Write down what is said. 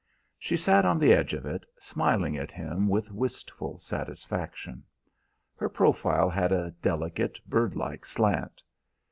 She sat on the edge of it, smiling at him with wistful satisfaction. Her profile had a delicate, bird like slant.